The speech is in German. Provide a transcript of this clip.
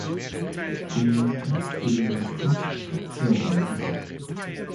Dem Landtag gehören fünf Fraktionen an.